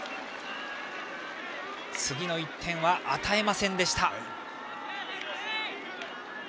次の１点は与えませんでした。